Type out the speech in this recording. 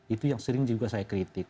itu yang sering juga saya kritik